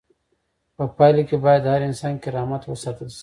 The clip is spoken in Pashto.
په پایله کې باید د هر انسان کرامت وساتل شي.